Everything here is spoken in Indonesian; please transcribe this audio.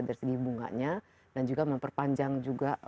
dari segi bunganya dan juga memperpanjang juga